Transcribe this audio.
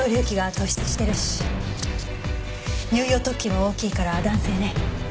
突起も大きいから男性ね。